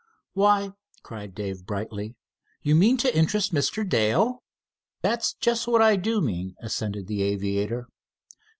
"Why," cried Dave brightly, "you mean to interest Mr. Dale?" "That's just what I do mean," assented the aviator.